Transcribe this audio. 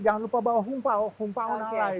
jangan lupa bawa humpau humpau nalai